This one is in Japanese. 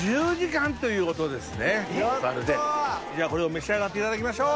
ではこれを召し上がっていただきましょう。